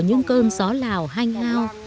của những cơm gió lào hanh hao